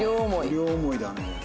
両思いだね。